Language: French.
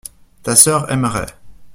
Ta sœur aimerait.